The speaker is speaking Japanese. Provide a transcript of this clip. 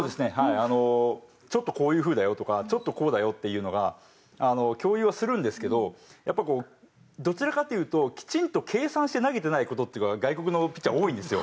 あのちょっとこういう風だよとかちょっとこうだよっていうのが共有はするんですけどやっぱこうどちらかというときちんと計算して投げてない事っていうのが外国のピッチャーは多いんですよ。